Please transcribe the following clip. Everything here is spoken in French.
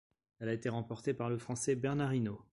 Elle a été remportée par le Français Bernard Hinault.